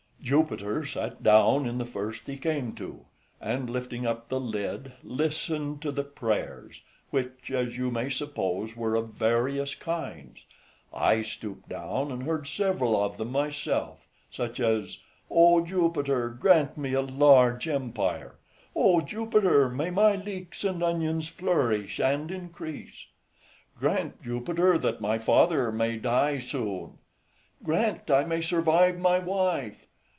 Jupiter sat down in the first he came to, and lifting up the lid, listened to the prayers, which, as you may suppose, were of various kinds. I stooped down and heard several of them myself, such as, "O Jupiter, grant me a large empire!" "O Jupiter, may my leeks and onions flourish and increase!" "Grant Jupiter, that my father may die soon!" "Grant I may survive my wife!"